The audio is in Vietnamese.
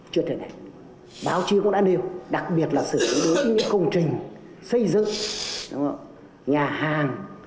chưa triệt đề báo chí cũng đã nêu đặc biệt là sự đối với những công trình xây dựng nhà hàng